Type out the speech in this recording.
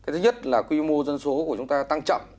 thứ nhất là quy mô dân số của chúng ta tăng chậm